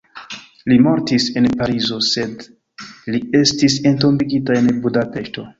Li mortis en Parizo, sed li estis entombigita en Budapeŝto.